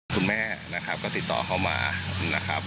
คุณแม่นะครับก็ติดต่อเข้ามานะครับ